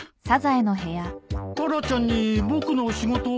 タラちゃんに僕の仕事を？